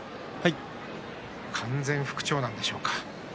完全、復調なんでしょうか。